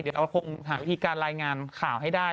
เดี๋ยวเราคงหาวิธีการรายงานข่าวให้ได้